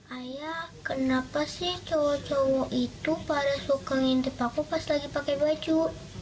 ayah kenapa sih cowok cowok itu pada suka ngintip aku pas lagi pakai baju